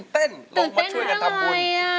ตื่นเต้นทำไมอะ